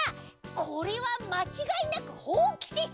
これはまちがいなくほうきです！